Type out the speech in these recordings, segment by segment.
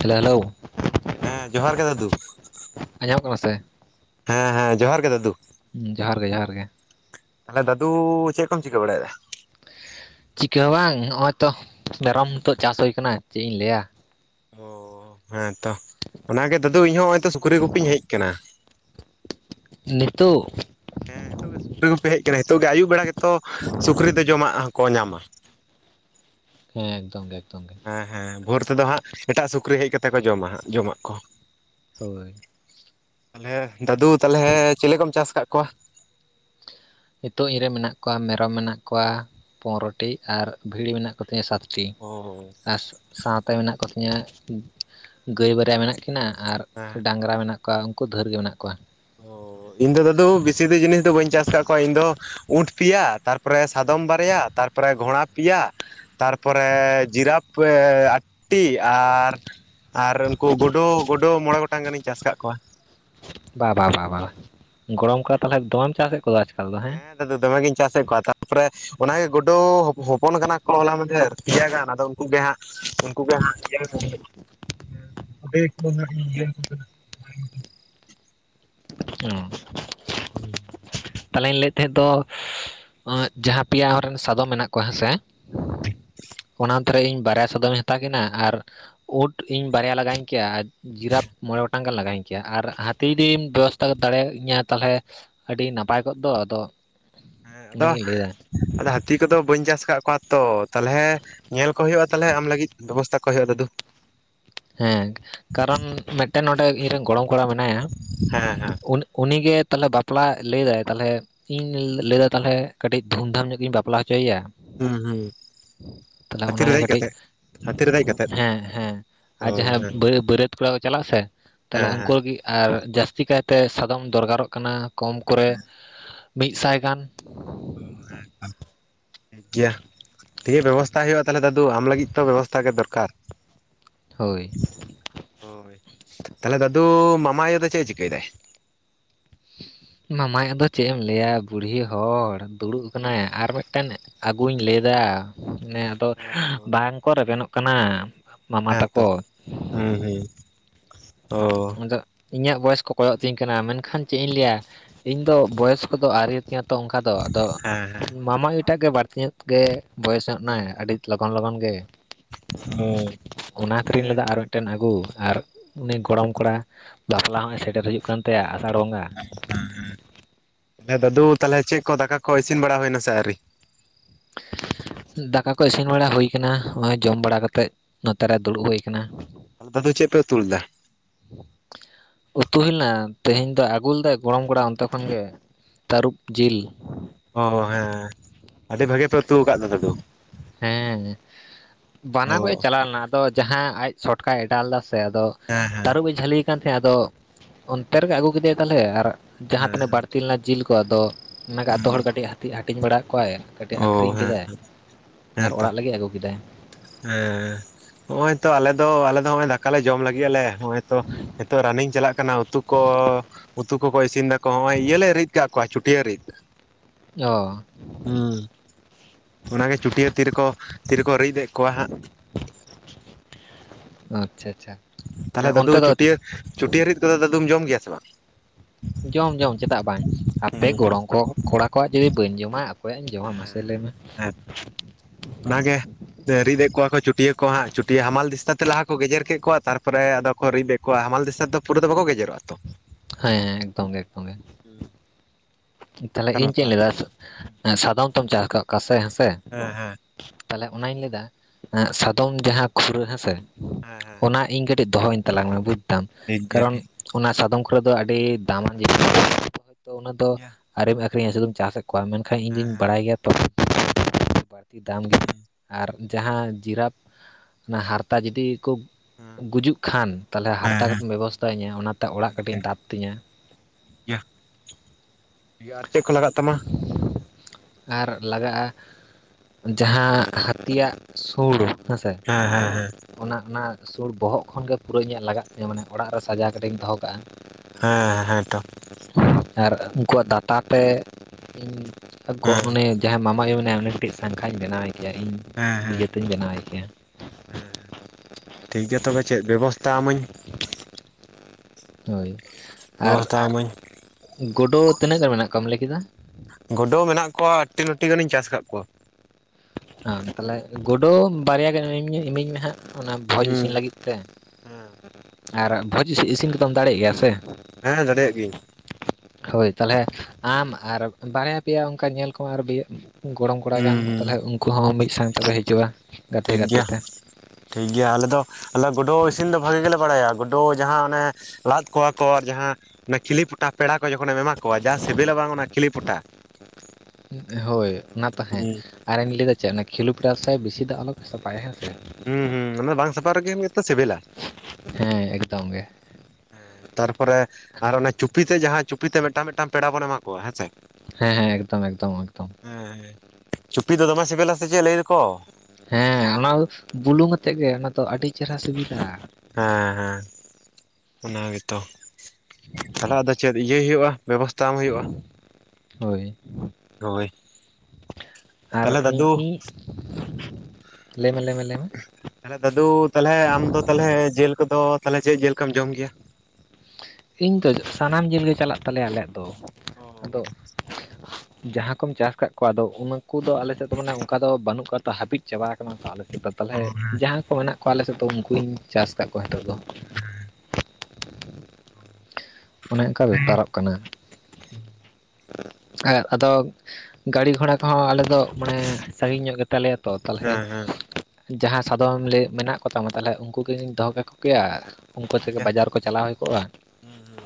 Hello hello ᱦᱮᱸ ᱡᱚᱦᱟᱨ ᱜᱮ ᱫᱟᱫᱩ ᱟᱸᱡᱚᱢᱚᱜ ᱠᱟᱱᱟ ᱥᱮ ᱦᱮᱸ ᱦᱮᱸ ᱡᱚᱦᱟᱨ ᱜᱮ ᱫᱟᱫᱩ ᱡᱚᱦᱟᱨ ᱜᱮ ᱡᱚᱦᱟᱨ ᱜᱮ ᱛᱟᱦᱚᱞᱮ ᱫᱟᱫᱩ ᱪᱮᱫ ᱠᱚᱢ ᱪᱤᱠᱟᱹ ᱵᱟᱲᱟᱭᱮᱫᱟ ᱪᱤᱠᱟᱹ ᱵᱟᱝ ᱱᱚᱜᱼᱚᱭ ᱛᱚ ᱢᱮᱨᱚᱢ ᱱᱤᱛᱳ ᱪᱟᱥ ᱦᱩᱭ ᱠᱟᱱᱟ ᱪᱮᱫ ᱤᱧ ᱞᱟᱹᱭᱟ ᱚ ᱦᱮᱸ ᱛᱚ ᱚᱱᱟᱜᱮ ᱫᱟᱫᱩ ᱤᱧ ᱦᱚᱸ ᱱᱚᱜ-ᱚᱭ ᱛᱚ ᱥᱩᱠᱨᱤ ᱜᱩᱯᱤᱧ ᱦᱮᱡ ᱟᱠᱟᱱᱟ ᱱᱤᱛᱚᱜ ᱦᱮᱸ ᱱᱤᱛᱚᱜ ᱜᱮ ᱥᱩᱠᱨᱤ ᱜᱚᱯᱤ ᱦᱮᱡ ᱠᱟᱱᱟᱧ ᱱᱤᱛᱚᱜ ᱜᱮ ᱟᱹᱭᱩᱵ ᱵᱮᱲᱟ ᱜᱮᱛᱚ ᱥᱩᱠᱨᱤ ᱫᱚ ᱡᱚᱢᱟᱜ ᱦᱚᱸᱠᱚ ᱧᱟᱢᱟ ᱦᱮᱸ ᱮᱫᱚᱢ ᱜᱮ ᱮᱠᱫᱚᱢ ᱜᱮ ᱦᱮᱸ ᱦᱮᱸ ᱵᱷᱳᱨ ᱛᱮᱫᱚ ᱦᱟᱸᱜ ᱮᱴᱟᱜ ᱥᱩᱠᱨᱤ ᱦᱮᱡ ᱠᱟᱛᱮ ᱠᱚ ᱡᱚᱢᱟ ᱦᱟᱸᱜ ᱡᱚᱢᱟᱜ ᱠᱚ ᱦᱳᱭ ᱛᱟᱦᱚᱞᱮ ᱫᱟᱫᱩ ᱛᱟᱦᱚᱞᱮ ᱪᱮᱞᱮ ᱠᱚᱢ ᱪᱟᱥ ᱟᱠᱟᱫ ᱠᱚᱣᱟ ᱱᱤᱛᱚᱜ ᱤᱧ ᱨᱮ ᱢᱮᱱᱟᱜ ᱠᱚᱣᱟ ᱢᱮᱨᱚᱢ ᱢᱮᱱᱟᱜ ᱠᱚᱣᱟ ᱯᱚᱱᱨᱳᱴᱤ ᱟᱨ ᱵᱷᱤᱲᱤ ᱢᱮᱱᱟᱜ ᱠᱚᱛᱤᱧᱟᱹ ᱥᱟᱛᱴᱤ ᱚ ᱟᱨ ᱥᱟᱶᱛᱮ ᱢᱮᱱᱟᱜ ᱠᱚᱛᱤᱧᱟᱹ ᱜᱟᱹᱭ ᱵᱟᱨᱭᱟ ᱢᱮᱱᱟᱜ ᱠᱤᱱᱟ ᱟᱨ ᱦᱮᱸ ᱰᱟᱝᱨᱟ ᱢᱮᱱᱟᱜ ᱚᱠᱟ ᱩᱱᱠᱩ ᱫᱷᱟᱹᱨ ᱜᱮ ᱢᱮᱱᱟᱜ ᱠᱚᱣᱟ ᱚ ᱤᱧ ᱫᱚ ᱫᱟᱫᱩ ᱵᱮᱥᱤ ᱫᱚ ᱡᱤᱱᱤᱥ ᱫᱚ ᱵᱟᱹᱧ ᱪᱟᱥ ᱟᱠᱟᱫ ᱠᱚᱣᱟ ᱤᱧ ᱫᱚ ᱩᱸᱴᱷ ᱯᱮᱭᱟ ᱛᱟᱨᱯᱚᱨᱮ ᱥᱟᱫᱚᱢ ᱵᱟᱨᱭᱟ ᱛᱟᱨᱯᱚᱨᱮ ᱜᱷᱚᱲᱟ ᱯᱮᱭᱟ ᱛᱟᱨᱯᱚᱨᱮ ᱡᱤᱨᱟᱯ ᱟᱴᱴᱤ ᱟᱨ ᱟᱨ ᱩᱱᱠᱩ ᱜᱩᱰᱩ ᱜᱩᱰᱩ ᱢᱚᱸᱬᱮ ᱜᱚᱴᱟᱝ ᱜᱟᱱᱤᱧ ᱪᱟᱥ ᱟᱠᱟᱫ ᱠᱚᱣᱟ ᱵᱟ ᱵᱟ ᱵᱟ ᱵᱟ ᱜᱚᱲᱚᱢ ᱠᱚᱲᱟ ᱛᱟᱦᱚᱞᱮ ᱫᱚᱢᱮᱢ ᱪᱟᱥᱮᱫ ᱠᱚᱫᱚ ᱟᱡᱠᱟᱞ ᱫᱚ ᱦᱮᱸ ᱫᱟᱫᱩ ᱫᱚᱢᱮᱜᱮᱤᱧ ᱪᱟᱥ ᱮᱫ ᱠᱚᱣᱟ ᱛᱟᱯᱚᱨᱮ ᱚᱱᱟᱜᱮ ᱜᱩᱰᱩ ᱦᱚᱯᱚᱱ ᱠᱟᱱᱟ ᱠᱚ ᱦᱚᱞᱟᱢᱟᱫᱷᱮᱨ ᱯᱮᱭᱟ ᱜᱟᱱ ᱟᱫᱚ ᱩᱱᱠᱩ ᱜᱮ ᱦᱟᱸᱜ ᱩᱱᱠᱩ ᱜᱮ ᱦᱟᱸ [unintelligible] [unintelligible] [inaudible] ᱛᱟᱦᱚᱞᱮᱧ ᱞᱟᱹᱭᱮᱫ ᱛᱟᱦᱮᱸᱫ ᱫᱚ ᱡᱟᱦᱟᱸ ᱯᱮᱭᱟ ᱟᱢᱨᱮᱱ ᱥᱟᱫᱚᱢ ᱢᱮᱱᱟᱜ ᱠᱚᱣᱟ ᱦᱮᱸ ᱥᱮ ᱚᱱᱟ ᱛ ᱨᱮ ᱤᱧ ᱵᱟᱨᱭᱟ ᱥᱟᱫᱚᱢ ᱤᱧ ᱦᱟᱛᱟᱣ ᱠᱤᱱᱟᱹ ᱟᱨ ᱩᱴ ᱤᱧ ᱵᱟᱨᱭᱟ ᱞᱟᱜᱟᱣᱤᱧ ᱠᱮᱭᱟ ᱟᱨ ᱡᱤᱨᱟᱯ ᱢᱚᱸᱬᱮ ᱜᱚᱴᱟᱝ [unintelligible] ᱞᱟᱜᱟᱣᱤᱧ ᱠᱮᱭᱟ ᱟᱨ ᱴᱷᱤᱠ ᱦᱟᱛᱤ ᱜᱮᱭᱟ ᱡᱩᱫᱤᱢ ᱵᱮᱵᱚᱥᱛᱷᱟ ᱫᱟᱲᱮᱭ ᱟᱹᱧᱟᱹ ᱛᱟᱦᱚᱞᱮ ᱟᱹᱰᱤ ᱱᱟᱯᱟᱭ ᱠᱚᱜ ᱫᱚ ᱟᱫᱚ ᱦᱮᱸ ᱟᱫᱚ ᱚᱱᱟᱜᱤᱧ ᱞᱟᱹᱭᱫᱟ ᱟᱫᱚ ᱦᱟᱛᱤ ᱠᱚᱫᱚ ᱵᱟᱹᱧ ᱪᱟᱥ ᱠᱟᱫ ᱠᱚᱣᱟ ᱛᱚ ᱛᱟᱞᱦᱮ ᱧᱮᱞ ᱠᱚ ᱦᱳᱭᱳᱜᱼᱟ ᱛᱟᱦᱚᱞᱮ ᱟᱢ ᱞᱟᱜᱤᱫ ᱵᱮᱵᱚᱥᱛᱟ ᱠᱚ ᱦᱳᱭᱳᱜᱼᱟ ᱫᱟᱫᱩ ᱦᱮᱸ ᱠᱟᱨᱚᱱ ᱢᱮᱫᱴᱮᱱ ᱱᱚᱰᱮ ᱤᱧᱨᱮᱱ ᱜᱚᱲᱚᱢ ᱠᱚᱲᱟ ᱢᱮᱱᱟᱭᱟ ᱦᱮᱸ ᱦᱮᱸ ᱩᱱ ᱩᱱᱤᱜᱮ ᱛᱟᱞᱦᱮ ᱵᱟ ᱵᱟᱯᱞᱟ ᱞᱟᱹᱭᱫᱟᱭ ᱛᱟᱞᱦᱮ ᱤᱧ ᱞᱟᱹᱭᱮᱫᱟᱭ ᱛᱟᱞᱦᱮ ᱠᱟᱴᱤᱡ ᱫᱷᱩᱢᱫᱷᱟᱢ ᱧᱚᱜ ᱤᱧ ᱵᱟᱯᱞᱟ ᱦᱚᱪᱚᱭᱮᱭᱟ ᱦᱩᱸ ᱦᱩᱸ ᱛᱟᱞᱦᱮ ᱦᱟᱹᱛᱤ ᱨᱮ ᱚᱱᱟᱜᱮ ᱫᱮᱡ ᱠᱟᱴᱤᱡ ᱠᱟᱛᱮᱫ ᱦᱟᱹᱛᱤ ᱨᱮ ᱫᱮᱡ ᱠᱟᱛᱮᱫ ᱦᱮᱸ ᱦᱮᱸ ᱚ ᱟᱨ ᱡᱟᱦᱟᱸᱭ ᱦᱮᱸ ᱵᱟᱹ ᱵᱟᱹᱨᱭᱟᱹᱛ ᱠᱚᱲᱟ ᱠᱚ ᱪᱟᱞᱟᱜᱼᱟ ᱥᱮ ᱛᱟᱞᱦᱮ ᱦᱮᱸ ᱩᱱᱠᱩ ᱦᱮᱸ ᱞᱟᱹᱜᱤᱫ ᱟᱨ ᱡᱟᱹᱥᱛᱤ ᱠᱟᱭᱛᱮ ᱥᱟᱫᱚᱢ ᱫᱚᱨᱠᱟᱨᱚᱜ ᱠᱟᱱᱟ ᱠᱚᱢ ᱠᱚᱨᱮ ᱢᱤᱫ ᱥᱟᱭ ᱜᱟᱱ [unintelligible] ᱜᱮᱭᱟ ᱛᱮᱦᱮ ᱵᱮᱵᱚᱥᱛᱷᱟ ᱦᱳᱭᱳᱜᱼᱟ ᱛᱟᱦᱚᱞᱮ ᱫᱟᱫᱩ ᱟᱢ ᱞᱟᱹᱜᱤᱫ ᱛᱚ ᱵᱮᱵᱚᱥᱛᱷᱟ ᱜᱮ ᱫᱚᱨᱠᱟᱨ ᱦᱳᱭ ᱦᱳᱭ ᱛᱟᱦᱞᱮ ᱫᱟᱫᱩ ᱢᱟᱢᱟ ᱟᱭᱳ ᱫᱚ ᱪᱮᱫ ᱮ ᱪᱤᱠᱟᱹᱭ ᱫᱟᱭ ᱢᱟᱢᱟᱭᱳ ᱫᱚ ᱪᱮᱫ ᱮᱢ ᱞᱟᱹᱭᱟ ᱵᱩᱲᱦᱤ ᱦᱚᱲ ᱫᱩᱲᱩᱵ ᱟᱠᱟᱱᱟᱭ ᱟᱨ ᱢᱤᱫᱴᱮᱱ ᱟᱹᱜᱩᱧ ᱞᱟᱹᱭᱫᱟ ᱢᱟᱱᱮ ᱟᱫᱚ ᱦᱳᱭ ᱵᱟᱝᱠᱚ ᱨᱮᱵᱮᱱᱚᱜ ᱠᱟᱱᱟ ᱢᱟᱢᱟ ᱦᱮᱸᱛᱚ ᱛᱟᱠᱚ ᱦᱮᱸ ᱦᱮᱸ ᱚ ᱤᱧᱟᱹᱜ ᱵᱚᱭᱮᱥ ᱠᱚ ᱠᱚᱭᱚᱜ ᱛᱤᱧ ᱠᱟᱱᱟ ᱢᱮᱱᱠᱷᱟᱱ ᱪᱮᱫ ᱤᱧ ᱞᱟᱹᱭᱟ ᱤᱧ ᱫᱚ ᱵᱚᱭᱮᱥ ᱠᱚᱫᱚ ᱟᱹᱣᱨᱤᱛᱤᱧᱟ ᱛᱚ ᱚᱱᱠᱟ ᱫᱚ ᱟᱫᱚ ᱦᱮᱸ ᱦᱮᱸ ᱢᱟᱢᱟ ᱟᱭᱩ ᱴᱟᱜ ᱜᱮ ᱵᱟᱹᱲᱛᱤ ᱧᱚᱜ ᱜᱮ ᱵᱚᱭᱮᱥ ᱧᱚᱜ ᱱᱟᱭ ᱦᱮᱸ ᱦᱮᱸ ᱟᱹᱰᱤ ᱞᱚᱜᱚᱱ ᱞᱚᱜᱚᱱ ᱜᱮ ᱦᱳᱭ ᱚᱱᱟ ᱛᱟᱦᱚᱞᱮ ᱠᱷᱟᱛᱤᱨᱤᱧ ᱞᱮᱫᱟ ᱟᱨᱚ ᱴᱮᱱ ᱟᱹᱜᱩ ᱟᱨ ᱩᱱᱤ ᱦᱮᱸ ᱜᱚᱲᱚᱢ ᱠᱚᱲᱟ ᱵᱟᱯᱞᱟ ᱦᱚᱸᱭ ᱥᱮᱴᱮᱨ ᱦᱩᱭᱩᱜ ᱠᱟᱱ ᱛᱟᱭᱟ ᱟᱥᱟᱲ ᱵᱚᱸᱜᱟ ᱦᱮᱸ ᱦᱮᱸ ᱛᱟᱦᱚᱞᱮ ᱫᱟᱫᱩ ᱛᱟᱦᱚᱞᱮ ᱪᱮᱫ ᱠᱚ ᱫᱟᱠᱟ ᱠᱚ ᱤᱥᱤᱱ ᱵᱟᱲᱟ ᱦᱩᱭᱱᱟᱥᱮ ᱟᱹᱣᱨᱤ [inaudible] ᱫᱟᱠᱟ ᱠᱚ ᱤᱥᱤᱱ ᱵᱟᱲᱟ ᱦᱩᱭ ᱠᱟᱱᱟ ᱱᱚᱜᱼᱚᱭ ᱡᱚᱢ ᱵᱟᱲᱟ ᱠᱟᱛᱮ ᱱᱚᱛᱮᱨᱮ ᱫᱩᱲᱩᱵ ᱦᱩᱭ ᱠᱟᱱᱟ ᱫᱟᱫᱩ ᱪᱮᱫ ᱯᱮ ᱩᱛᱩ ᱞᱮᱫᱟ ᱩᱛᱩ ᱦᱳᱭ ᱞᱮᱱᱟ ᱛᱮᱦᱤᱧ ᱫᱚ ᱟᱜᱩ ᱞᱫᱟᱭ ᱜᱚᱲᱚᱢ ᱠᱚᱲᱟ ᱚᱱᱛᱮ ᱠᱷᱚᱱ ᱜᱮ ᱛᱟᱹᱨᱩᱵᱽ ᱡᱤᱞ ᱚ ᱦᱮᱸ ᱟᱹᱰᱤ ᱵᱷᱟᱜᱤ ᱯᱮ ᱩᱛᱩ ᱟᱠᱟᱫ ᱫᱚ ᱫᱟᱫᱩ ᱦᱮᱸ ᱵᱟᱱᱟ ᱚ ᱜᱚᱡᱮ ᱪᱟᱞᱟᱣ ᱞᱮᱱᱟ ᱟᱫᱚ ᱡᱟᱦᱟᱸ ᱟᱡ ᱥᱚᱴᱠᱟᱭ ᱚᱰᱟᱣ ᱞᱮᱫᱟ ᱥᱮ ᱟᱫᱚ ᱦᱮᱸ ᱦᱮᱸ ᱛᱟᱹᱨᱩᱵ ᱡᱷᱟᱹᱞᱤᱭᱟᱠᱟᱱ ᱛᱟᱦᱮᱸᱫ ᱟᱫᱚ ᱚᱱᱛᱮ ᱨᱮᱜᱮ ᱟᱹᱜᱩ ᱠᱮᱫᱮᱭᱟ ᱛᱟᱞᱦᱮ ᱟᱨ ᱡᱟᱦᱟᱸ ᱛᱤᱱᱟᱹᱜ ᱦᱮᱸ ᱵᱟᱹᱲᱛᱤ ᱞᱮᱱᱟ ᱡᱤᱞ ᱠᱚ ᱟᱫᱚ ᱚᱱᱟᱜᱮ ᱟᱛᱩ ᱦᱚᱲ ᱦᱮᱸ ᱠᱟᱹᱴᱤᱡ ᱦᱟᱹᱴᱤᱧ ᱵᱟᱲᱟᱣᱟᱫ ᱠᱚᱣᱟᱭ ᱠᱟᱹᱴᱤᱡ ᱚ ᱟᱹᱷᱨᱤᱧ ᱦᱮᱸ ᱠᱮᱫᱟᱭ ᱦᱮᱸ ᱟᱨ ᱛᱚ ᱚᱲᱟᱜ ᱞᱟᱜᱤᱫ ᱟᱜᱩ ᱠᱮᱫᱟᱭ ᱦᱮᱸ ᱱᱚᱜᱼᱚᱭ ᱛᱚ ᱟᱞᱮ ᱫᱚ ᱟᱞᱮ ᱫᱚ ᱱᱚᱜᱚᱭ ᱫᱟᱠᱟ ᱞᱮ ᱡᱚᱢ ᱞᱟᱜᱤᱫ ᱟᱞᱮ ᱱᱚᱜᱼᱚᱭ ᱛᱚ ᱱᱤᱛᱚᱜ ᱨᱟᱱᱤᱝ ᱪᱟᱞᱟᱜ ᱠᱟᱱᱟ ᱩᱛᱩ ᱠᱚ ᱩᱛᱩ ᱠᱚᱠᱚ ᱤᱥᱤᱱ ᱫᱟᱠᱚ ᱱᱚᱸᱜᱼᱚᱭ ᱤᱭᱟᱹᱞᱮ ᱨᱤᱫ ᱠᱟᱜ ᱠᱚᱣᱟ ᱪᱩᱴᱭᱟᱹ ᱨᱤᱫ ᱚ ᱦᱩᱸ ᱚᱱᱟᱜᱮ ᱪᱩᱹᱴᱤᱭᱟ ᱛᱤᱨᱮᱠᱚ ᱛᱤᱨᱮᱠᱚ ᱨᱤᱫ ᱮᱫ ᱠᱚᱣᱟ ᱦᱟᱸᱜ ᱟᱪᱪᱷᱟ ᱟᱪᱪᱷᱟ ᱛᱟᱦᱚᱞᱮ ᱫᱟᱫᱩ ᱚᱱᱛᱮ ᱫᱚ ᱪᱩᱴᱤᱭᱟᱹ ᱪᱩᱴᱤᱭᱟᱹ ᱨᱤᱫ ᱠᱚᱫᱚᱢ ᱫᱟᱫᱩᱢ ᱡᱚᱢ ᱜᱮᱭᱟ ᱥᱮ ᱵᱟᱝ ᱡᱚᱢ ᱡᱚᱢ ᱪᱮᱫᱟᱜ ᱵᱟᱝ ᱟᱯᱮ ᱦᱩᱸ ᱦᱩᱸ ᱜᱚᱲᱚᱢ ᱠᱚ ᱠᱚᱲᱟ ᱠᱚᱣᱟᱜ ᱡᱩᱫᱤ ᱵᱟᱹᱧ ᱡᱚᱢᱟ ᱚᱠᱚᱭᱟᱜᱧ ᱡᱚᱢᱟ ᱢᱟᱥᱮ ᱞᱟᱹᱭ ᱢᱮ ᱚᱱᱟ ᱜᱮ ᱨᱤᱫ ᱮᱫ ᱠᱚᱣᱟ ᱠᱚ ᱪᱩᱴᱭᱟᱹ ᱠᱚ ᱦᱟᱸᱜ ᱪᱩᱴᱭᱟᱹ ᱦᱟᱢᱟᱞ ᱫᱤᱥᱛᱟᱛᱮ ᱞᱟᱦᱟ ᱠᱚ ᱜᱮᱡᱮᱨ ᱠᱮᱫ ᱠᱚᱣᱟ ᱛᱟᱨᱯᱚᱨᱮ ᱟᱫᱚ ᱨᱤᱫ ᱮ ᱠᱚᱣᱟ ᱦᱟᱢᱟᱞ ᱫᱤᱥᱛᱟᱛᱮ ᱯᱩᱨᱟᱹ ᱫᱚ ᱵᱟᱠᱚ ᱜᱮᱡᱮᱨᱚᱜᱼᱟ ᱛᱚ ᱦᱮᱸ ᱮᱠᱫᱚᱢ ᱮᱠᱫᱚᱢ ᱦᱩᱸ ᱛᱟᱦᱞᱮ ᱚᱱᱠᱟᱱ ᱤᱧ ᱪᱮᱫ ᱵᱮᱯᱟᱨ ᱤᱧ ᱞᱟᱹᱭᱟ ᱫᱟ ᱥᱟᱫᱚᱢ ᱛᱚᱢ ᱪᱟᱥ ᱟᱠᱟᱫ ᱠᱚ ᱥᱮ ᱦᱮᱸᱥᱮ ᱦᱮᱸ ᱦᱮᱸ ᱛᱟᱦᱚᱞᱮ ᱚᱱᱟᱧ ᱞᱟᱹᱭ ᱫᱟ ᱥᱟᱫᱚᱢ ᱡᱟᱦᱟᱸ ᱠᱷᱩᱨᱟᱹ ᱦᱮᱸᱥᱮ ᱦᱮᱸ ᱦᱮᱸ ᱚᱱᱟ ᱤᱧ ᱠᱟᱹᱴ ᱼᱼ ᱠᱟᱴᱤᱡ ᱫᱚᱦᱚᱧ ᱛᱟᱞᱟᱝ ᱢᱮ ᱵᱩᱡᱽ ᱫᱟᱢ ᱴᱷᱤᱠ ᱜᱮᱭᱟ ᱠᱟᱨᱚᱱ ᱴᱷᱤᱠ ᱚᱱᱟ ᱥᱟᱫᱚᱢ ᱠᱷᱩᱨᱟ. ᱫᱚ ᱟᱹᱰᱤ ᱫᱟᱢᱟᱱ ᱡᱤᱱᱤᱥᱛ ᱚᱱᱟ ᱫᱚ ᱜᱮᱭᱟ ᱟᱹᱰᱤ ᱵᱷᱟᱜᱤ ᱟᱹᱠᱷᱨᱤᱧ ᱥᱩᱫᱩᱢ ᱪᱟᱥᱮᱫ ᱠᱚᱣᱟ ᱢᱮᱱ ᱼᱼ ᱵᱟᱠᱷᱟᱡ ᱦᱮᱸ ᱤᱧᱫᱚᱩᱧ ᱦᱮᱸ ᱵᱟᱲᱟᱭ ᱜᱮᱭᱟ ᱛᱚ ᱵᱟᱹᱲᱛᱤ ᱫᱟᱢ ᱜᱮ ᱟᱨ ᱡᱟᱦᱟᱸ ᱡᱤᱨᱟᱯ ᱚᱱᱟ ᱦᱟᱨᱛᱟ ᱡᱩᱫᱤ ᱠᱚ ᱦᱮᱸ ᱜᱩᱡᱩᱜ ᱠᱷᱟᱱ ᱛᱟᱦᱚᱞᱮ ᱦᱮᱸ ᱦᱟᱨᱛᱟ ᱦᱮᱸ ᱠᱟ. ᱦᱮᱸ ᱴᱤᱡ ᱵᱮᱵᱚᱥᱛᱷᱟ ᱟᱹᱧᱟᱹ ᱚᱱᱟᱛᱮ ᱚᱲᱟᱜ ᱴᱷᱤᱠ ᱠᱟᱹᱴᱤᱡ ᱤᱧ ᱫᱟᱯ ᱛᱤᱧᱟᱹ ᱜᱮᱭᱟ ᱭᱟ ᱟᱨ ᱪᱮᱫ ᱠᱚ ᱞᱟᱜᱟᱜ ᱛᱟᱢᱟ? ᱟᱨ ᱞᱟᱜᱟᱜᱼᱟ ᱡᱟᱦᱟᱸ ᱦᱟᱹᱛᱤᱭᱟᱜ ᱥᱩᱲ ᱦᱮᱸ ᱥᱮ ᱦᱮᱸ ᱦᱮᱸ ᱚᱱᱟ ᱚᱱᱟ ᱥᱩᱲ ᱵᱚᱦᱚᱜ ᱠᱷᱚᱱ ᱜᱮ ᱯᱩᱨᱟᱹ ᱤᱧᱟᱹᱜ ᱞᱟᱜᱟᱜ ᱛᱤᱧᱟᱹ ᱢᱟᱱᱮ ᱚᱲᱟᱜ ᱨᱮ ᱥᱟᱡᱟᱣ ᱠᱟᱛᱮᱤᱧ ᱫᱚᱦᱚ ᱠᱟᱜᱼᱟ ᱦᱮᱸ ᱦᱮᱸ ᱛᱚ ᱟᱨ ᱩᱱᱠᱩᱣᱟᱜ ᱫᱟᱛᱟ ᱛᱮ ᱤᱧ ᱜᱚᱜ ᱦᱮᱸ ᱩᱱᱤ ᱡᱟᱦᱟᱸᱭ ᱢᱟᱢᱟᱭᱳ ᱢᱮᱱᱟᱭᱟ ᱩᱱᱤ ᱠᱟᱴᱤᱡ ᱥᱟᱝᱠᱷᱟᱧ ᱵᱮᱱᱟᱣ ᱠᱮᱭᱟ ᱤᱧ ᱱᱤᱡᱮᱛᱮᱧ ᱵᱮᱱᱟᱣᱮ ᱠᱮᱭᱟ ᱦᱩᱸ ᱴᱷᱤᱠ ᱜᱮᱭᱟ ᱛᱚᱵᱮ ᱪᱮᱫ ᱵᱮᱵᱚᱥᱛᱟ ᱟᱢᱟᱹᱧ ᱦᱳᱭ ᱟᱨ ᱵᱮᱵᱚᱥᱛᱷᱟ ᱟᱹᱢᱟᱹᱧ ᱜᱩᱰᱩ ᱛᱤᱱᱟᱹᱜ ᱜᱟᱱ ᱢᱮᱱᱟᱜ ᱠᱚᱭᱟ ᱞᱟᱹᱭ ᱠᱮᱫᱟ ᱜᱚᱰᱩ ᱢᱮᱱᱟᱜ ᱠᱚᱣᱟ ᱟᱴᱤ ᱱᱚᱴᱤ ᱜᱟᱱᱤᱧ ᱪᱟᱥ ᱟᱠᱟᱫ ᱠᱚᱣᱟ ᱟᱨ ᱛᱟᱦᱚᱞᱮ ᱜᱩᱰᱩ ᱵᱟᱨᱭᱟ ᱜᱟᱱ ᱤᱢᱟᱹᱧ ᱢᱮ ᱦᱟᱸᱜ ᱚᱱᱟ ᱵᱷᱚᱡᱽ ᱦᱩᱸ ᱤᱥᱤᱱ ᱞᱟᱹᱜᱤᱫ ᱛᱮ ᱟᱨ ᱵᱷᱚᱡᱽ ᱤᱥᱤ ᱤᱥᱤᱱᱛᱚᱢ ᱫᱟᱲᱮᱭᱟᱜ ᱜᱮᱭᱟ ᱥᱮ ᱦᱮᱸ ᱫᱟᱲᱮᱭᱟᱜ ᱜᱤᱧ ᱦᱳᱭ ᱛᱟᱦᱚᱞᱮ ᱟᱢ ᱟᱨ ᱵᱟᱨᱭᱟ ᱯᱮᱭᱟ ᱚᱱᱠᱟ ᱧᱮᱞ ᱠᱚᱢ ᱟᱨ ᱵᱤᱭᱟᱜ ᱜᱚᱲᱚᱢ ᱠᱚᱲᱟ ᱦᱩᱸ ᱜᱟᱱ ᱦᱩᱸ ᱛᱟᱦᱚᱞᱮ ᱩᱱᱠᱩ ᱦᱚᱸ ᱢᱤᱫ ᱥᱟᱶ ᱛᱮᱠᱯᱮ ᱦᱤᱡᱩᱜᱼᱟ ᱜᱟ ᱴᱷᱤᱠ ᱜᱮᱭᱟ ᱴᱷᱤᱠ ᱜᱮᱭᱟ ᱟᱞᱮ ᱫᱚ ᱟᱞᱮ ᱜᱩᱰᱩ ᱤᱥᱤᱱ ᱫᱚ ᱵᱷᱟᱹᱜᱤ ᱜᱮᱞᱮ ᱵᱟᱲᱟᱭᱟ ᱜᱩᱰᱩ ᱡᱟᱦᱟᱸ ᱚᱱᱮ ᱞᱟᱫ ᱠᱚᱣᱟ ᱠᱚ ᱟᱨ ᱡᱟᱦᱟᱸ ᱠᱷᱤᱞᱤ ᱯᱚᱴᱟ ᱯᱮᱲᱟ ᱠᱚ ᱡᱚᱠᱷᱚᱱᱮᱢ ᱮᱢᱟ ᱠᱟᱣᱟ ᱡᱟ ᱥᱤᱵᱤᱞᱟ ᱵᱟᱝ ᱚᱱᱟ ᱠᱷᱤᱞᱤ ᱯᱚᱴᱟ ᱦᱳᱭ ᱚᱱᱟ ᱛᱟᱦᱮᱸ ᱦᱩᱸ ᱟᱨᱤᱧ ᱞᱟᱹᱭ ᱫᱟ ᱪᱮᱫ ᱚᱱᱟ ᱠᱷᱤᱞᱩ ᱯᱚᱴᱟ ᱥᱮ ᱵᱮᱥᱤᱫ ᱫᱚ ᱟᱞᱚ ᱯᱮ ᱥᱟᱯᱟᱭ ᱦᱮᱸᱥᱮ ᱦᱩᱸ ᱦᱩᱸ ᱚᱱᱟ ᱫᱚ ᱵᱟᱝ ᱥᱟᱯᱷᱟ ᱨᱮᱜᱮᱱᱛᱚ ᱥᱤᱵᱤᱞᱟ ᱦᱮᱸ ᱮᱠᱫᱚᱢ ᱜᱮ ᱦᱮᱸ ᱛᱟᱨᱯᱚᱨᱮ ᱟᱨ ᱚᱱᱟ ᱪᱩᱯᱤᱛᱮ ᱡᱟᱦᱟᱸ ᱪᱩᱯᱤᱛᱮ ᱢᱤᱫᱴᱟᱝ ᱢᱤᱫᱴᱟᱝ ᱯᱮᱲᱟ ᱵᱚᱱ ᱮᱢᱟ ᱠᱚᱣᱟ ᱦᱮᱸᱥᱮ ᱦᱮᱸ ᱦᱮᱸ ᱮᱠᱫᱚᱢ ᱮᱠᱫᱚᱢ ᱮᱠᱫᱚᱢ ᱦᱮᱸ ᱪᱩᱯᱤ ᱫᱚ ᱫᱚᱢᱮ ᱥᱤᱵᱤᱞᱟ ᱥᱮ ᱪᱮᱫ ᱞᱟᱹᱭᱮ ᱫᱚᱠᱚ ᱦᱮᱸ ᱚᱱᱟ ᱵᱩᱞᱩᱝ ᱟᱛᱮᱫ ᱜᱮ ᱚᱱᱟ ᱛᱚ ᱟᱹᱰᱤ ᱪᱮᱦᱮᱨᱟ ᱥᱩᱵᱤᱞᱟ᱾ ᱦᱮᱸ ᱦᱮᱸ ᱚᱱᱟ ᱜᱮᱛᱚ ᱛᱟᱦᱚᱞᱮ ᱟᱫᱚ ᱪᱮᱫ ᱤᱭᱟᱹ ᱦᱩᱭᱩᱜᱼᱟ ᱵᱮᱵᱚᱥᱛᱷᱟᱢ ᱦᱩᱭᱩᱜᱼᱟ᱾ ᱦᱳᱭ ᱦᱳᱭ ᱟᱨ ᱛᱟᱦᱚᱞᱮ ᱤᱧ ᱫᱟᱫᱩ ᱤᱧ ᱞᱟᱹᱭᱢᱮ ᱞᱟᱹᱭᱢᱮ ᱞᱟᱹᱭᱢᱮ ᱛᱟᱦᱚᱞᱮ ᱫᱟᱫᱩ ᱛᱟᱦᱚᱞᱮ ᱟᱢ ᱫᱚ ᱛᱟᱦᱚᱞᱮ ᱡᱤᱞ ᱠᱚᱫᱚ ᱛᱟᱦᱞᱮ ᱪᱮᱫ ᱡᱤᱞ ᱠᱚᱢ ᱡᱚᱢ ᱜᱮᱭᱟ᱾ ᱤᱧ ᱛᱚ ᱥᱟᱱᱟᱢ ᱡᱤᱞᱜᱮ ᱪᱟᱞᱟᱜ ᱛᱟᱞᱮᱭᱟ ᱟᱞᱮᱭᱟᱜ ᱫᱚ ᱟᱫᱚ ᱡᱟᱦᱟᱸ ᱠᱚᱢ ᱪᱟᱥ ᱟᱠᱟᱫ ᱠᱚᱣᱟ ᱟᱫᱚ ᱚᱱᱟᱠᱩᱫᱚ ᱟᱞᱮᱥᱮᱫ ᱫᱚ ᱢᱟᱱᱮ ᱚᱱᱠᱟ ᱫᱚ ᱵᱟᱹᱱᱩᱜ ᱠᱚᱣᱟ ᱛᱚ ᱦᱟᱹᱵᱤᱡ ᱪᱟᱵᱟ ᱟᱠᱟᱱᱟ ᱛᱟᱞᱦᱮ ᱟᱞᱮ ᱥᱮᱫ ᱫᱚ ᱛᱟᱦᱚᱞᱮ ᱡᱟᱦᱟᱸᱭ ᱠᱚ ᱢᱮᱱᱟᱜ ᱠᱚᱣᱟ ᱟᱞᱮ ᱥᱮᱫ ᱫᱚ ᱩᱱᱠᱩᱧ ᱪᱟᱥ ᱟᱠᱟᱫ ᱠᱚᱣᱟ ᱱᱤᱛᱚᱜ ᱫᱚ ᱚᱱᱮ ᱚᱱᱠᱟ ᱵᱮᱯᱟᱨᱚᱜ ᱠᱟᱱᱟ᱾ ᱟᱫᱚ ᱜᱟᱹᱲᱤ ᱜᱷᱚᱲᱟ ᱠᱚᱦᱚᱸ ᱟᱞᱮ ᱫᱚ ᱢᱟᱱᱮ ᱥᱟᱺᱜᱤᱧ ᱧᱚᱜ ᱜᱮᱛᱟᱞᱮᱭᱟ ᱛᱚ ᱛᱟᱦᱚᱞᱮ ᱦᱮᱸ ᱦᱮᱸ ᱡᱟᱦᱟᱸ ᱥᱟᱫᱚᱢ ᱞᱟᱹᱭ ᱢᱮᱱᱟᱜ ᱠᱚᱛᱟᱢᱟ ᱛᱟᱦᱚᱞᱮ ᱩᱱᱠᱩ ᱜᱮᱧ ᱫᱚᱦᱚ ᱠᱟᱠᱚ ᱠᱮᱭᱟ᱾ ᱩᱱᱠᱩ ᱛᱮᱜᱮ ᱭᱟ ᱵᱟᱡᱟᱨ ᱠᱚ ᱪᱟᱞᱟᱣ ᱦᱩᱭ ᱠᱚᱜ-ᱟ,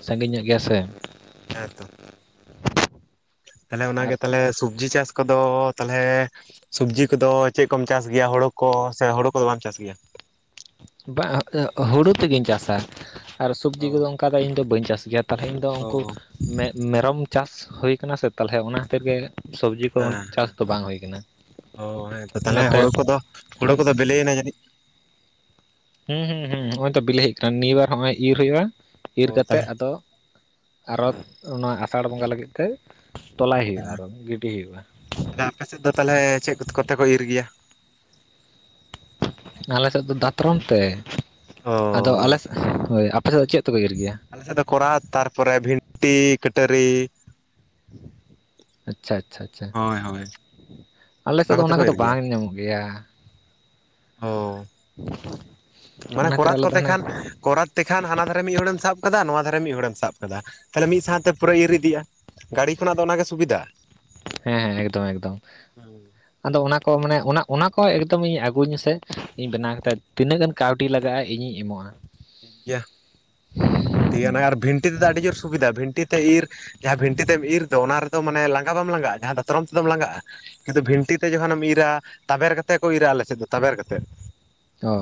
ᱥᱟᱺᱜᱤᱧ ᱧᱚᱜ ᱜᱮᱭᱟ ᱥᱮ ᱦᱮᱸ ᱛᱚ ᱛᱟᱦᱚᱞᱮ ᱚᱱᱟ ᱟᱨ ᱜᱮ ᱛᱟᱦᱚᱞᱮ ᱥᱚᱵᱽᱡᱤ ᱪᱟᱥ ᱠᱚᱫᱚ ᱛᱟᱦᱚᱞᱮ ᱥᱚᱵᱽᱡᱤ ᱠᱚᱫᱚ ᱪᱮᱫ ᱠᱚᱢ ᱪᱟᱥ ᱜᱮᱭᱟ᱾ ᱦᱳᱲᱳ ᱠᱚ ᱥᱮ ᱦᱳᱲᱳ ᱠᱚᱫᱚ ᱵᱟᱢ ᱪᱟᱥ ᱜᱮᱭᱟ? [unintelligible] ᱦᱩᱲᱩ ᱛᱮᱜᱮᱧ ᱪᱟᱥᱟ ᱟᱨ ᱥᱚᱵᱽᱡᱤ ᱚ ᱠᱚᱫᱚ ᱚᱱᱠᱟ ᱫᱚ ᱤᱧᱫᱚ ᱵᱟᱹᱧ ᱪᱟᱥ ᱜᱮᱭᱟ᱾ ᱛᱟᱦᱚᱞᱮ ᱤᱧᱫᱚ ᱚ ᱩᱱᱠᱩ ᱢᱮ ᱢᱮᱨᱚᱢ ᱪᱟᱥ ᱦᱩᱭ ᱠᱟᱱᱟ ᱥᱮ ᱛᱟᱦᱚᱞᱮ ᱚᱱᱟ ᱠᱷᱟᱹᱛᱤᱨ ᱜᱮ ᱥᱚᱵᱽᱡᱤ ᱠᱚ ᱦᱮᱸ ᱪᱟᱥ ᱦᱮᱸ ᱫᱚ ᱵᱟᱝ ᱦᱩᱭ ᱠᱟᱱᱟ ᱦᱚ ᱦᱮᱸ ᱛᱚ ᱛᱟᱦᱚᱞᱮ ᱱᱚᱛᱮ ᱦᱳᱲᱩ ᱠᱚᱫᱚ ᱦᱩᱲᱩ ᱠᱚᱫᱚ ᱵᱤᱞᱤᱭ ᱮᱱᱟ ᱡᱟᱹᱱᱤᱡ ᱦᱩᱸ ᱦᱩᱸ ᱦᱩᱸ ᱦᱚᱜ-ᱚᱭ ᱛᱚ ᱵᱤᱞᱤ ᱦᱮᱡ ᱠᱟᱱ ᱱᱤᱭᱟᱹ ᱵᱟᱨ ᱦᱚᱸᱜ-ᱚᱭ ᱤᱨ ᱦᱩᱭᱩᱜ-ᱟ ᱤᱨ ᱚ ᱠᱟᱛᱮᱜ᱾ ᱛᱟᱦᱚᱞᱮ ᱟᱫᱚ ᱟᱨᱚ ᱚᱱᱟ ᱟᱥᱟᱲ ᱵᱚᱸᱜᱟ ᱞᱟᱹᱜᱤᱫ ᱛᱮ ᱛᱚᱞᱟᱭ ᱦᱩᱭᱩᱜ-ᱟ ᱟᱨᱚ ᱜᱤᱰᱤ ᱦᱩᱭᱩᱜ-ᱟ᱾ ᱛᱟᱦᱚᱞᱮ ᱟᱯᱮ ᱥᱮᱫ ᱫᱚ ᱛᱟᱦᱚᱞᱮ ᱪᱮᱫ ᱠᱚᱛᱮ ᱠᱚ ᱤᱨ ᱜᱮᱭᱟ᱾ ᱟᱞᱮᱥᱮᱫ ᱫᱚ ᱫᱟᱛᱨᱚᱢ ᱛᱮ ᱚ ᱟᱫᱚ ᱟᱞᱮᱥᱮᱫ ᱦᱳᱭ ᱟᱯᱮ ᱥᱮᱫ ᱫᱚ ᱪᱮᱫ ᱛᱮᱠᱚ ᱤᱨ ᱜᱮᱭᱟ? ᱟᱫᱚ ᱠᱚᱨᱟᱛ ᱛᱟᱨᱯᱚᱨᱮ ᱵᱷᱤᱱᱴᱤ ᱠᱟᱹᱴᱟᱹᱨᱤ ᱟᱪᱪᱷᱟ ᱟᱪᱪᱷᱟ ᱟᱪᱪᱷᱟᱹ ᱦᱳᱭ ᱦᱳᱭ ᱟᱞᱮ ᱥᱮᱫ ᱫᱚ ᱠᱚᱛᱮ ᱚᱱᱟ ᱠᱚ ᱠᱚᱫᱚ ᱤᱨ ᱜᱮᱭᱟ ᱵᱟᱝ ᱧᱟᱢᱚᱜ ᱜᱮᱭᱟ᱾ ᱚᱸ ᱢᱟᱱᱮ ᱚᱱᱟ ᱠᱷᱟᱹᱛᱤᱨ ᱠᱚᱨᱟᱫ ᱟᱞᱮ ᱫᱚ ᱠᱚᱛᱮ ᱦᱟᱱᱮ ᱠᱷᱟᱱ ᱠᱚᱨᱟᱛ ᱛᱮᱠᱷᱟᱱ ᱦᱟᱱᱟ ᱫᱷᱟᱨᱮ ᱢᱤᱫ ᱦᱚᱲ ᱮᱢ ᱥᱟᱵ ᱠᱟᱫᱟ ᱱᱚᱣᱟ ᱫᱷᱟᱨᱮ ᱢᱤᱫ ᱦᱚᱲ ᱮᱢ ᱥᱟᱵ ᱠᱟᱫᱟ ᱛᱟᱦᱚᱞᱮ ᱢᱤᱫ ᱥᱟᱶ ᱛᱮ ᱯᱩᱨᱟᱹ ᱤᱨ ᱤᱫᱤᱜ-ᱟ᱾ ᱜᱟᱰᱤ ᱠᱷᱚᱱᱟᱜ ᱫᱚ ᱚᱱᱟ ᱜᱮ ᱥᱩᱵᱤᱫᱷᱟ ᱦᱮᱸ ᱦᱮᱸ ᱮᱠᱫᱚᱢ ᱮᱠᱫᱚᱢ ᱟᱫᱚ ᱚᱱᱟ ᱠᱚ ᱢᱟᱱᱮ ᱚᱱᱟ ᱚᱱᱟ ᱠᱚ ᱮᱠᱫᱚᱢ ᱤᱧ ᱟᱜᱩᱧ ᱢᱮᱥᱮ ᱤᱧ ᱵᱮᱱᱟᱣ ᱠᱟᱛᱮᱫ ᱛᱤᱱᱟᱹᱜ ᱜᱟᱱ ᱠᱟᱣᱰᱤ ᱞᱟᱜᱟᱜ-ᱟ ᱤᱧᱤᱧ ᱮᱢᱚᱜ-ᱟ᱾ ᱴᱷᱤᱠ ᱜᱮᱭᱟ ᱛᱤᱜᱟᱱᱟᱭ ᱟᱨ ᱵᱷᱤᱱᱴᱤ ᱛᱮᱫᱚ ᱟᱹᱰᱤ ᱡᱳᱨ ᱥᱩᱵᱤᱫᱷᱟ ᱵᱷᱤᱱᱴᱤ ᱛᱮ ᱤᱨ ᱡᱟᱦᱟᱸ ᱵᱷᱤᱱᱴᱤ ᱛᱮᱢ ᱤᱨ ᱫᱚ ᱚᱱᱟ ᱨᱮᱫᱚ ᱢᱟᱱᱮ ᱞᱟᱸᱜᱟ ᱵᱟᱢ ᱞᱟᱸᱜᱟᱜ-ᱟ, ᱡᱟᱦᱟᱸ ᱫᱟᱛᱨᱚᱢ ᱛᱮᱫᱚᱢ ᱞᱟᱸᱜᱟᱜ-ᱟ᱾ ᱠᱤᱱᱛᱩ ᱵᱷᱤᱱᱴᱤ ᱛᱮ ᱡᱚᱠᱷᱚᱱ ᱮᱢ ᱤᱨᱟ ᱛᱟᱵᱮᱨ ᱠᱟᱛᱮᱫ ᱠᱚ ᱤᱨᱟ ᱟᱞᱮ ᱥᱮᱫ ᱫᱚ ᱛᱟᱵᱮᱨ ᱠᱟᱛᱮᱫ ᱚ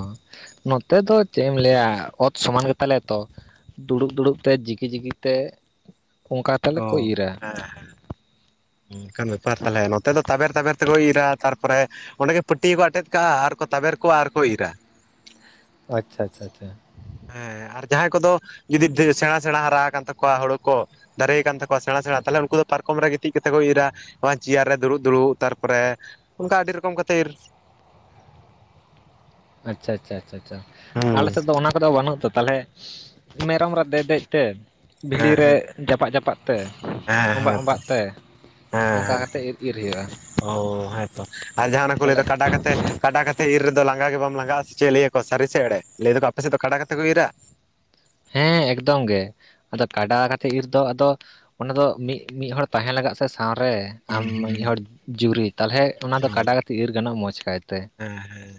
ᱱᱚᱛᱮ ᱫᱚ ᱪᱮᱫ ᱮᱢ ᱞᱟᱹᱭᱟ ᱚᱛ ᱥᱚᱢᱟᱱ ᱜᱮᱛ ᱛᱟᱞᱮ ᱛᱚ ᱫᱩᱲᱩᱵ ᱫᱩᱲᱩᱵ ᱛᱮ ᱡᱤᱠᱤ ᱡᱤᱠᱤ ᱛᱮ ᱚᱱᱠᱟ ᱛᱮᱞᱮ ᱚ ᱠᱚ ᱤᱨᱟ ᱦᱮᱸ ᱚᱱᱠᱟᱱ ᱵᱮᱯᱟᱨ ᱛᱟᱦᱚᱞᱮ ᱱᱚᱛᱮ ᱫᱚ ᱛᱟᱵᱮᱨ ᱛᱟᱵᱮᱨ ᱛᱮᱠᱚ ᱤᱨᱟ ᱛᱟᱨᱯᱚᱨᱮ ᱚᱸᱰᱮ ᱜᱮ ᱯᱟᱹᱴᱭᱟᱹ ᱠᱚ ᱟᱴᱮᱫ ᱠᱟᱜ-ᱟ ᱟᱨ ᱠᱚ ᱛᱟᱵᱮᱨ ᱠᱚᱜ-ᱟ ᱟᱨᱠᱚ ᱤᱨᱟ ᱳ ᱟᱪᱪᱷᱟ ᱟᱪᱪᱷᱟ ᱟᱪᱪᱷᱟ ᱦᱮᱸ ᱟᱨ ᱡᱟᱦᱟᱸᱭ ᱠᱚᱫᱚ ᱡᱩᱫᱤ ᱫᱷᱤᱨ ᱥᱮᱬᱟ ᱥᱮᱬᱟ ᱦᱟᱨᱟ ᱟᱠᱟᱱ ᱛᱟᱠᱚᱣᱟ ᱦᱩᱲᱩ ᱠᱚ ᱫᱟᱨᱮᱭ ᱠᱟᱱ ᱛᱟᱠᱚᱣᱟ ᱥᱮᱬᱟ ᱥᱮᱬᱟ ᱛᱟᱦᱚᱞᱮ ᱩᱱᱠᱩ ᱫᱚ ᱯᱟᱨᱠᱚᱢ ᱨᱮ ᱜᱤᱛᱤᱡ ᱠᱟᱛᱮᱫ ᱠᱚ ᱤᱨᱟ᱾ ᱵᱟᱝ ᱪᱮᱭᱟᱨ ᱨᱮ ᱫᱩᱲᱩᱵ ᱫᱩᱲᱩᱵ ᱛᱟᱨᱯᱚᱨᱮ ᱚᱱᱠᱟ ᱟᱹᱰᱤ ᱨᱚᱠᱚᱢ ᱠᱟᱛᱮᱫ ᱤᱨ ᱟᱪᱪᱷᱟ ᱟᱪᱪᱷᱟ ᱟᱪᱪᱷᱟ ᱪᱷᱟ ᱟᱞᱮ ᱦᱩᱸ ᱥᱮᱫ ᱫᱚ ᱚᱱᱟ ᱠᱚᱫᱚ ᱵᱟᱹᱱᱩᱜ ᱛᱚ ᱛᱟᱞᱦᱮ ᱢᱮᱨᱚᱢ ᱨᱮ ᱫᱮᱡ ᱫᱮᱡ ᱛᱮ ᱵᱷᱤᱲᱤ ᱦᱮᱸ ᱨᱮ ᱡᱟᱯᱟᱜ ᱡᱟᱯᱟᱜ ᱛᱮ ᱦᱮᱸ ᱚᱵᱟᱜ ᱦᱮᱸ ᱛᱚ ᱚᱵᱟᱜ ᱛᱮ ᱦᱮᱸ ᱚᱱᱠᱟ ᱦᱮᱸ ᱠᱟᱛᱮᱫ ᱤᱨ ᱤᱨ ᱦᱩᱭᱩᱜᱼᱟ ᱚ ᱦᱮᱸ ᱛᱚ ᱟᱨ ᱡᱟᱦᱟᱸ ᱚᱱᱮ ᱠᱚ ᱞᱟᱹᱭ ᱛᱟᱦᱚᱞᱮ ᱫᱟ ᱠᱟᱰᱟ ᱠᱟᱛ ᱛᱮ ᱠᱟᱰᱟ ᱠᱟᱛᱮᱫ ᱤᱨ ᱨᱮᱫᱚ ᱞᱟᱸᱜᱟ ᱜᱮ ᱵᱟᱢ ᱞᱟᱸᱜᱟᱜ-ᱟ ᱥᱮ ᱪᱮᱫ ᱞᱟᱹᱭ ᱟᱠᱚ ᱥᱟᱹᱨᱤ ᱥᱮ ᱮᱲᱮ ᱞᱟᱹᱭ ᱫᱟᱠᱚ ᱟᱯᱮ ᱥᱮᱫ ᱫᱚ ᱠᱟᱰᱟ ᱠᱟᱛᱮ ᱠᱚ ᱤᱨᱟ ᱦᱮᱸ ᱮᱠᱫᱚᱢ ᱜᱮ ᱟᱫᱚ ᱠᱟᱰᱟ ᱠᱟᱛᱮᱫ ᱤᱨ ᱫᱚ ᱟᱫᱚ ᱚᱱᱟ ᱫᱚ ᱢᱤᱫ ᱢᱤᱫ ᱦᱚᱲ ᱛᱟᱦᱮᱸ ᱞᱟᱜᱟᱜ ᱥᱮ ᱥᱟᱶ ᱨᱮ ᱟᱢ ᱦᱩᱸ ᱦᱩᱸ ᱢᱤᱫ ᱦᱚᱲ ᱡᱩᱨᱤ ᱛᱟᱞᱦᱮ ᱚᱱᱟ ᱫᱚ ᱚ ᱠᱟᱰᱟ ᱠᱟᱛᱮᱫ ᱤᱨ ᱜᱟᱱᱚᱜ-ᱟ ᱢᱚᱸᱡᱽ ᱠᱟᱭ ᱛᱮ ᱦᱮᱸ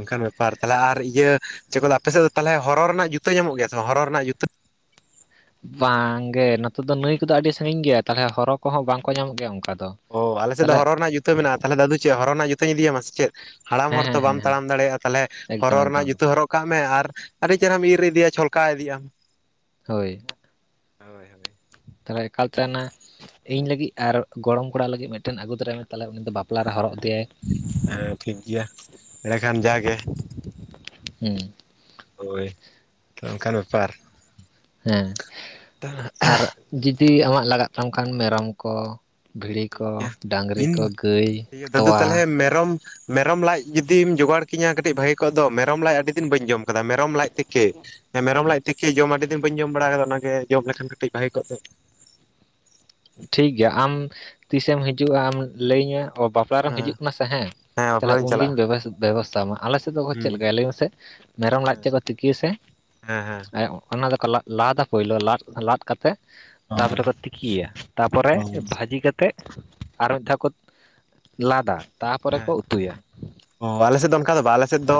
ᱚᱱᱠᱟᱱ ᱵᱮᱯᱟᱨ ᱛᱟᱦᱚᱞᱮ ᱟᱨ ᱤᱭᱟᱹ ᱪᱮᱫ ᱠᱚ ᱟᱯᱮ ᱥᱮᱫ ᱫᱚ ᱛᱟᱦᱚᱞᱮ ᱦᱚᱨᱚ ᱨᱮᱱᱟᱜ ᱡᱩᱛᱟᱹ ᱧᱟᱢᱚᱜ ᱜᱮᱭᱟ ᱥᱮ ᱵᱟᱝ ᱦᱚᱨᱚ ᱨᱮᱱᱟᱜ ᱡᱩᱛᱟᱹ ᱵᱟᱝ ᱜᱮ ᱱᱚᱛᱮ ᱫᱚ ᱱᱟᱹᱭ ᱠᱚᱫᱚ ᱟᱹᱰᱤ ᱥᱟᱺᱜᱤᱧ ᱜᱮᱭᱟ ᱛᱟᱦᱚᱞᱮ ᱦᱚᱨᱚ ᱠᱚᱦᱚᱸ ᱵᱟᱝ ᱠᱚ ᱧᱟᱢᱚᱜ ᱜᱮᱭᱟ ᱚᱱᱠᱟ ᱫᱚ ᱚ ᱟᱞᱮ ᱥᱮᱫ ᱫᱚ ᱛᱟᱦᱚᱞᱮ ᱦᱚᱨᱚ ᱨᱮᱱᱟᱜ ᱡᱩᱛᱟᱹ ᱢᱮᱱᱟᱜ-ᱟ ᱛᱟᱦᱚᱞᱮ ᱫᱟᱫᱩ ᱪᱮᱫ ᱦᱚᱨᱚ ᱨᱮᱱᱟᱜ ᱡᱩᱛᱟᱹᱧ ᱤᱫᱤᱭ ᱟᱢᱟ ᱥᱮ ᱪᱮᱫ? ᱦᱟᱲᱟᱢ ᱦᱮᱸ ᱦᱚᱲ ᱛᱚ ᱦᱮᱸ ᱦᱮᱸ ᱵᱟᱢ ᱦᱮᱸ ᱛᱟᱲᱟᱢ ᱫᱟᱲᱮᱭᱟᱜ-ᱟ ᱛᱟᱦᱚᱞᱮ ᱦᱚᱨᱚ ᱮᱠᱫᱚᱢ ᱨᱮᱱᱟᱜ ᱮᱠᱫᱚᱢ ᱡᱩᱛᱟᱹ ᱮᱠᱫᱚᱢ ᱦᱚᱨᱚᱜ ᱠᱟᱜ ᱢᱮ ᱟᱨ ᱟᱹᱰᱤ ᱪᱮᱦᱮᱨᱟᱢ ᱤᱨ ᱤᱫᱤᱭᱟ ᱪᱷᱚᱞᱠᱟᱣ ᱤᱫᱤᱭ ᱟᱢ ᱦᱳᱭ ᱦᱳᱭ ᱦᱳᱭ ᱛᱟᱦᱞᱮ ᱮᱠᱟᱞᱛᱮ ᱚᱱᱟ ᱤᱧ ᱞᱟᱹᱜᱤᱫ ᱟᱨ ᱜᱚᱲᱚᱢ ᱠᱚᱲᱟ ᱞᱟᱹᱜᱤᱫ ᱢᱤᱫᱴᱮᱱ ᱟᱹᱜᱩ ᱛᱚᱨᱟᱭ ᱢᱮ ᱛᱟᱦᱞᱮ ᱩᱱᱤ ᱫᱚ ᱵᱟᱯ ᱦᱮᱸ ᱦᱮᱸ ᱴᱷᱤᱠ ᱜᱮᱭᱟ ᱮᱸᱰᱮᱠᱷᱟᱱ ᱡᱟᱜᱮ ᱦᱩᱸ [unintelligible] ᱦᱳᱭ ᱚᱱᱠᱟᱱ ᱵᱮᱯᱟᱨ ᱦᱮᱸ ᱟᱨ ᱡᱩᱫᱤ ᱟᱢᱟᱜ ᱞᱟᱜᱟᱜ ᱛᱟᱢ ᱠᱷᱟᱱ ᱢᱮᱨᱚᱢ ᱠᱚ ᱵᱷᱤᱲᱤ ᱴᱷᱤᱠ ᱠᱚ ᱜᱮᱭᱟ ᱰᱟᱝᱨᱤ ᱤᱧ ᱠᱚ ᱜᱟᱹᱭ ᱴᱷᱤᱠ ᱜᱮᱭᱟ ᱫᱟᱫᱩ ᱛᱚᱣᱟ ᱛᱟᱦᱚᱞᱮ ᱢᱮᱨᱚᱢ ᱢᱮᱨᱚᱢ ᱞᱟᱡ ᱡᱩᱫᱤᱢ ᱡᱳᱚᱜᱟᱲ ᱠᱤᱧᱟ ᱠᱟᱹᱴᱤᱡ ᱵᱷᱟᱜᱤ ᱠᱚᱜ ᱫᱚ ᱢᱮᱨᱚᱢ ᱞᱟᱡ ᱟᱹᱰᱤ ᱫᱤᱱ ᱵᱟᱹᱧ ᱡᱚᱢ ᱟᱠᱟᱫᱟ ᱢᱮᱨᱚᱢ ᱞᱟᱡ ᱛᱮᱠᱤ ᱦᱮᱸ ᱢᱮᱨᱚᱢ ᱞᱟᱡ ᱛᱤᱠᱤ ᱡᱚᱢ ᱟᱹᱰᱤ ᱫᱤᱱ ᱵᱟᱹᱧ ᱡᱚᱢ ᱵᱟᱲᱟ ᱟᱠᱟᱜᱼᱟ, ᱚᱱᱟᱜᱮ ᱡᱚᱢ ᱞᱮᱠᱷᱟᱱ ᱠᱟᱹᱴᱤᱡ ᱵᱷᱟᱹᱜᱤ ᱠᱚᱜ ᱛᱮ ᱴᱷᱤᱠ ᱜᱮᱭᱟ ᱟᱢ ᱛᱤᱥᱮᱢ ᱦᱤᱡᱩᱜᱼᱟ ᱟᱢ ᱞᱟᱹᱭᱟᱹᱧᱟᱹ ᱚ ᱵᱟᱯᱞᱟ ᱨᱮᱢ ᱦᱮᱸ ᱦᱤᱡᱩᱜ ᱠᱟᱱᱟ ᱥᱮ ᱦᱮᱸ ᱵᱟᱯᱞᱟ ᱛᱟᱦᱚᱞᱮ ᱨᱤᱧ ᱪᱟᱞᱟᱜᱼᱟ ᱩᱱᱜᱤᱧ ᱵᱮᱵᱚᱥᱮᱛᱷᱟ ᱢᱟ ᱟᱞᱮ ᱥᱮᱫ ᱫᱚ ᱠᱚ ᱪᱮᱫ ᱦᱩᱸ ᱞᱮᱠᱟᱭᱟ ᱞᱟᱹᱭ ᱟᱹᱧ ᱢᱮᱥᱮ ᱢᱮᱨᱚᱢ ᱞᱟᱡ ᱦᱮᱸ ᱛᱮᱡ ᱠᱚ ᱛᱤᱠᱤᱭᱟ ᱥᱮ ᱦᱮᱸ ᱦᱮᱸ ᱚᱱᱟ ᱫᱚᱠᱚ ᱞᱟᱫ ᱞᱟᱫᱟ ᱯᱳᱭᱞᱳ ᱞᱟᱫ ᱞᱟᱫ ᱠᱟᱛᱮ ᱚ ᱛᱟᱯᱚᱨᱮ ᱠᱚ ᱛᱤᱠᱤᱭᱟ ᱛᱟᱯᱚᱨᱮ ᱚ ᱵᱷᱟᱹᱡᱽ ᱡᱤ ᱠᱟᱛᱮᱫ ᱟᱨ ᱢᱤᱫ ᱫᱷᱟᱣ ᱠᱚ ᱞᱟᱫᱟ ᱛᱟᱯᱚᱨᱮ ᱦᱮᱸ ᱠᱚ ᱩᱛᱩᱭᱟ᱾ ᱚ ᱟᱞᱮᱥᱮᱫ ᱫᱚ ᱚᱱᱠᱟ ᱫᱚ ᱵᱟᱝ ᱟᱞᱮ ᱥᱮᱫ ᱫᱚ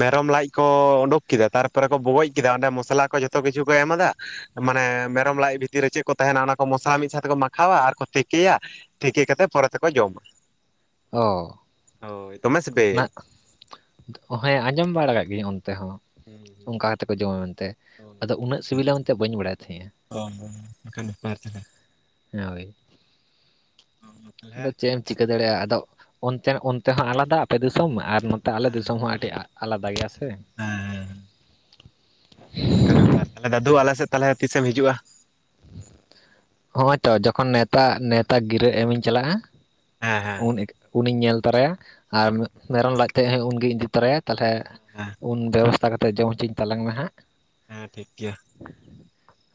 ᱢᱮᱨᱚᱢ ᱞᱟᱡ ᱠᱚ ᱚᱰᱩᱠ ᱠᱮᱫᱟ ᱛᱟᱨᱯᱚᱨᱮ ᱠᱚ ᱵᱚᱜᱚᱡ ᱠᱮᱫᱟ ᱚᱸᱰᱮ ᱢᱚᱥᱞᱟ ᱠᱚ ᱡᱚᱛᱚ ᱠᱤᱪᱷᱩ ᱠᱚ ᱮᱢᱟᱫᱟ ᱢᱟᱱᱮ ᱢᱮᱨᱚᱢ ᱞᱟᱡ ᱵᱷᱤᱛᱤᱨ ᱨᱮ ᱪᱮᱫ ᱠᱚ ᱛᱟᱦᱮᱸᱱᱟ ᱚᱱᱟ ᱠᱚ ᱢᱚᱥᱞᱟ ᱢᱤᱫ ᱥᱟᱶᱛᱮ ᱛᱮᱠᱚ ᱢᱟᱠᱷᱟᱣᱟ ᱟᱨᱠᱚ ᱛᱤᱠᱮᱭᱟ᱾ ᱛᱤᱠᱤ ᱠᱟᱛᱮᱜ ᱯᱚᱨᱮ ᱛᱮᱠᱚ ᱡᱚᱢᱟ ᱦᱚᱸ ᱦᱳᱭ ᱫᱚᱢᱮ ᱥᱤᱵᱤᱞ ᱦᱮᱸ ᱟᱸᱡᱚᱢ ᱵᱟᱲᱟ ᱟᱠᱟᱜ ᱜᱤᱭᱟᱹᱧ ᱚᱱᱛᱮ ᱦᱚᱸ ᱦᱩᱸ ᱦᱩᱸ ᱞᱟᱫᱽ ᱛᱮᱠᱚ ᱡᱚᱢᱟ ᱢᱮᱱᱛᱮ ᱟᱫᱚ ᱩᱱᱟᱹᱜ ᱥᱤᱵᱤᱞᱟ ᱢᱮᱱᱛᱮ ᱵᱟᱹᱧ ᱵᱟᱲᱟᱭᱮᱜ ᱛᱟᱦᱮᱸᱜᱼᱟ ᱚ ᱦᱚ ᱠᱷᱟᱱ ᱵᱮᱯᱟᱨ ᱛᱟᱦᱞᱮ ᱦᱳᱭ ᱛᱟᱦᱞᱮ ᱟᱫᱚ ᱪᱮᱫ ᱮᱢ ᱪᱤᱠᱟᱹ ᱫᱟᱲᱮᱭᱟᱜᱼᱟ ᱟᱫᱚ ᱚᱱᱛᱮ ᱚᱱᱛᱮ ᱦᱚᱸ ᱟᱞᱟᱫᱟ ᱟᱯᱮ ᱫᱤᱥᱚᱢ ᱟᱨ ᱱᱚᱛᱮ ᱟᱞᱮ ᱫᱤᱥᱚᱢ ᱦᱚᱸ ᱟᱹᱰᱤ ᱟᱞᱟᱫᱟ ᱜᱮᱭᱟ ᱥᱮ ᱦᱮᱸ ᱚᱱᱠᱟᱱᱟᱜ ᱵᱮᱯᱟᱨ ᱛᱟᱦᱚᱞᱮ ᱫᱟᱫᱩ ᱟᱞᱮᱥᱮᱫ ᱛᱟᱦᱚᱞᱮ ᱛᱤᱥᱮᱢ ᱦᱤᱡᱩᱜᱼᱟ ᱦᱚᱸᱜ ᱳᱭ ᱛᱚ ᱡᱚᱠᱷᱚᱱ ᱱᱮᱣᱛᱟ ᱱᱮᱣᱛᱟ ᱜᱤᱨᱟᱹ ᱮᱢᱤᱧ ᱪᱟᱞᱟᱜᱼᱟ ᱦᱮᱸ ᱦᱮᱸ ᱩᱱ ᱩᱱᱤᱧ ᱧᱮᱞ ᱛᱚᱨᱟᱭᱟ ᱟᱨ ᱢᱮᱨᱚᱢ ᱞᱟᱡ ᱛᱮ ᱦᱚᱸ ᱩᱱᱜᱮᱧ ᱤᱫᱤ ᱛᱚᱨᱟᱭᱟ ᱛᱟᱦᱚᱞᱮ ᱦᱮᱸ ᱩᱱ ᱵᱮᱵᱚᱥᱛᱷᱟ ᱠᱟᱛᱮᱜ ᱡᱚᱢ ᱦᱚᱪᱚᱧ ᱛᱟᱞᱟᱝ ᱢᱮ ᱦᱟᱸᱜ ᱦᱮᱸ ᱴᱷᱤᱠ ᱜᱮᱭᱟ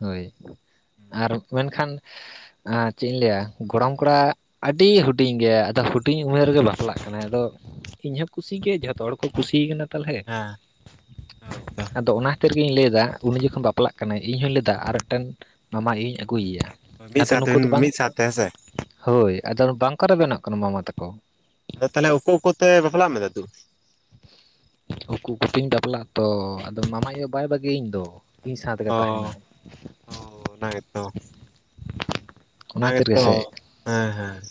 ᱦᱳᱭ ᱟᱨ ᱢᱮᱱᱠᱷᱟᱱ ᱟᱨ ᱪᱮᱜ ᱤᱧ ᱞᱟᱹᱭᱟ ᱜᱚᱲᱚᱢ ᱠᱚᱲᱟ ᱟᱹᱰᱤ ᱦᱩᱴ [unintelligible] ᱦᱩᱴᱤᱧ ᱜᱮᱭᱟ ᱦᱩᱴᱤᱧ ᱩᱢᱮᱨ ᱨᱮᱜᱮ ᱵᱟᱯᱞᱟᱜ ᱠᱟᱱᱟᱭ ᱟᱫᱚ ᱤᱧᱦᱚᱸ ᱠᱩᱥᱤᱜᱮ ᱡᱷᱚᱛᱚ ᱦᱚᱲᱠᱚ ᱠᱩᱥᱤ ᱟᱠᱟᱱᱟ ᱛᱟᱦᱚᱞᱮ ᱦᱮᱸ ᱦᱳᱭᱛᱚ ᱟᱫᱚ ᱚᱱᱟ ᱛᱤᱨ ᱜᱤᱧ ᱞᱟᱹᱭᱮᱫᱟ ᱩᱱᱤ ᱡᱚᱠᱷᱚᱱ ᱵᱟᱯᱞᱟᱜ ᱠᱟᱱᱟᱭ ᱤᱧ ᱦᱚᱧ ᱞᱟᱹᱭᱟ ᱟᱨ ᱢᱤᱫᱴᱮᱱ ᱢᱟᱢᱟ ᱟᱭᱳᱧ ᱟᱹᱜᱩᱭᱮᱭᱟ ᱢᱤᱫ ᱟᱫᱚ ᱥᱟᱶᱛᱮ ᱱᱩᱠᱩ ᱫᱚ ᱵᱟᱝ ᱢᱤᱫ ᱥᱟᱶᱛᱮ ᱦᱮᱸᱥᱮ ᱦᱳᱭ ᱟᱫᱚ ᱵᱟᱝᱠᱚ ᱨᱮᱵᱮᱱᱚᱜ ᱠᱟᱱᱟ ᱢᱟᱢᱟ ᱛᱟᱠᱚ ᱟᱫᱚ ᱛᱟᱦᱚᱞᱮ ᱩᱠᱩ ᱩᱠᱩ ᱛᱮ ᱵᱟᱯᱞᱟᱜ ᱢᱮ ᱫᱟᱫᱩ ᱩᱠᱩ ᱩᱠᱩ ᱛᱮᱧ ᱵᱟᱯᱞᱟᱜᱼᱟ ᱛᱚ ᱟᱫᱚ ᱢᱟᱢᱟ ᱟᱭᱳ ᱵᱟᱭ ᱵᱟᱹᱜᱮᱟᱹᱧ ᱫᱚ ᱤᱧ ᱥᱟᱶ ᱛᱮᱜᱮ ᱚ ᱛᱟᱦᱮᱸᱱᱟᱭ ᱚ ᱚᱱᱟ ᱚᱱᱟᱮ ᱜᱮ ᱛᱚ ᱦᱮᱸ ᱦᱮᱸ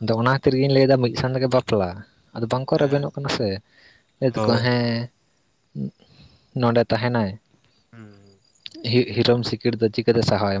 ᱟᱫᱚ ᱚᱱᱟ ᱠᱷᱟᱹᱛᱤᱨ ᱜᱤᱧ ᱞᱟᱹᱭᱮᱫᱟ ᱢᱤᱫ ᱥᱟᱸ ᱛᱮᱜᱮ ᱵᱟᱯᱞᱟ ᱟᱫᱚ ᱵᱟᱝᱠᱚ ᱦᱮᱸ ᱨᱮᱵᱮᱱᱚᱜ ᱠᱟᱱᱟ ᱥᱮ ᱞᱟᱹᱭᱮᱫ ᱫᱚᱠᱚ ᱦᱳᱭ ᱦᱮᱸ ᱱᱚᱸᱰᱮ ᱛᱟᱦᱮᱸᱱᱟᱭ ᱦᱩᱸ ᱦᱤ ᱦᱤᱨᱚᱢ ᱥᱤᱠᱲ ᱫᱚ ᱪᱤᱠᱟᱹᱛᱮ ᱥᱟᱦᱟᱣᱟᱭ